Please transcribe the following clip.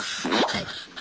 はい。